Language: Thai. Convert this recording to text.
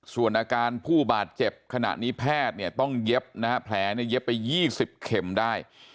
ส่วนอาการผู้บาดเจ็บขณะนี้แพทย์เนี่ยต้องเย็บนะฮะแผลเนี่ยเย็บไป๒๐เข็มได้